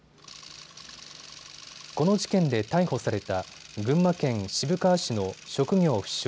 この事件で逮捕された群馬県渋川市の職業不詳